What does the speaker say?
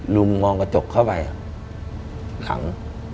มุมมองกระจกเข้าไปขัง